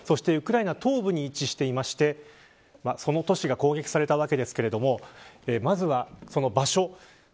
ウクライナ東部に位置していましてその都市が攻撃されたわけですがまずは、その場所。